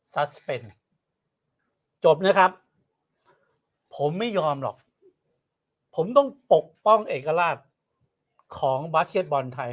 ซัสเป็นจบนะครับผมไม่ยอมหรอกผมต้องปกป้องเอกราชของบาสเก็ตบอลไทย